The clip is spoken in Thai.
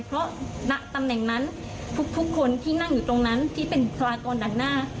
เพราะณตำแหน่งนั้นทุกคนที่นั่งอยู่ตรงนั้นที่เป็นบุคลากรดังหน้า